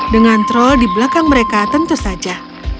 dengan troll di belakang mereka tentu saja